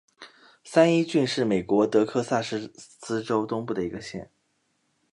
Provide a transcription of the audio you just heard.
三一郡是美国德克萨斯州东部的一个县。